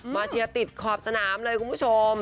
เชียร์ติดขอบสนามเลยคุณผู้ชม